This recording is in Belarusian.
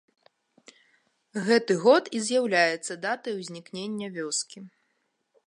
Гэты год і з'яўляецца датай узнікнення вёскі.